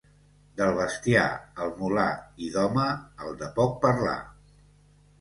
Del bestiar, el mular, i, d'home, el de poc parlar.